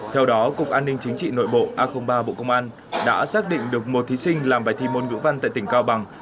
theo đó cục an ninh chính trị nội bộ a ba bộ công an đã xác định được một thí sinh làm bài thi môn ngữ văn tại tỉnh cao bằng